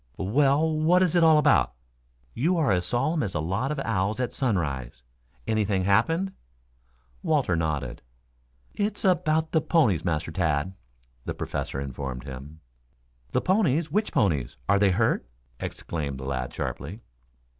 "Well, what is it all about? You are as solemn as a lot of owls at sunrise. Anything happened?" Walter nodded. "It's about the ponies, Master Tad," the Professor informed him. "The ponies? Which ponies? Are they hurt?" exclaimed the lad sharply.